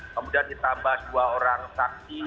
kemudian ditambah dua orang saksi